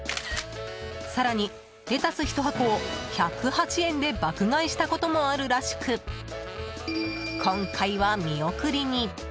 更に、レタス１箱を１０８円で爆買いしたこともあるらしく今回は見送りに。